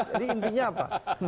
jadi intinya apa